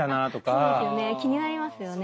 そうですよね気になりますよね。